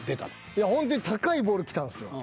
いやほんとに高いボール来たんですよ。